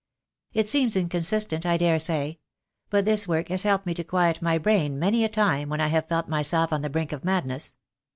"It seems in consistent, I dare say; but this work has helped me to quiet my brain many a time when I have felt myself on the brink of madness.